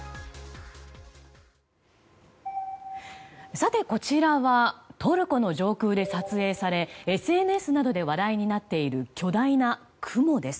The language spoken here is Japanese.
さて、こちらはトルコの上空で撮影されＳＮＳなどで話題になっている巨大な雲です。